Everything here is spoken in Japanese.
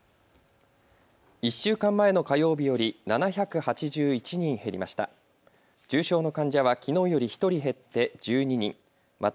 １週間前の火曜日より７８１人減りました。